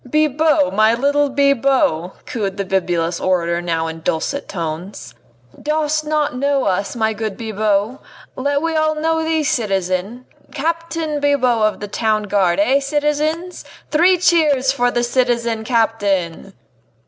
"Bibot! my little Bibot!" cooed the bibulous orator now in dulcet tones, "dost not know us, my good Bibot? Yet we all know thee, citizen Captain Bibot of the Town Guard, eh, citizens! Three cheers for the citizen captain!"